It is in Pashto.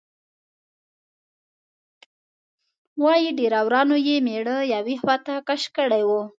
وایي ډریورانو یې میړه یوې خواته کش کړی و.